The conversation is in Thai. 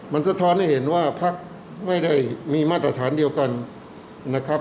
มันสะท้อนให้เห็นว่าพักไม่ได้มีมาตรฐานเดียวกันนะครับ